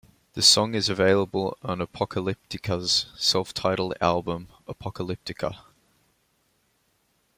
The song is available on Apocalyptica's self-titled album, "Apocalyptica".